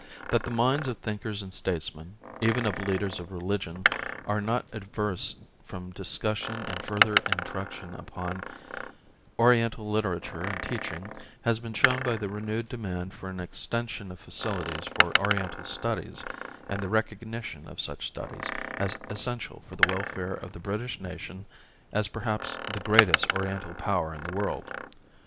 That the minds of thinkers and statesmen, even of leaders of religion, are not averse from discussion and further intruction upon Oriental literature and teaching has been shown by the renewed demand for an extension of facilities for Oriental studies and the recognition of such studies, as essential for the welfare of the British nation as perhaps the greatest Oriental power in the world.